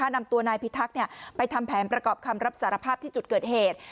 นำตัวนายพิทักษ์ไปทำแผนประกอบคำรับสารภาพที่จุดเกิดเหตุ